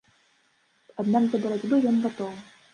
Аднак да барацьбы ён гатовы.